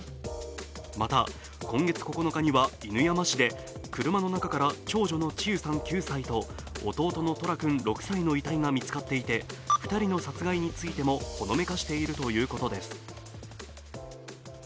また、今月９日には犬山市で車の中から長女の千結さん９歳と弟の十楽君６歳の遺体が見つかっていて２人の殺害についてもほのめかしているということです。